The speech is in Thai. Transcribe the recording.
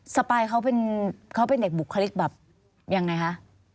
สปายเขาเป็นเด็กบุคลิกแบบยังไงคะ